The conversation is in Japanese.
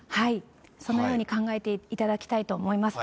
そのように考えていただきたいと思います。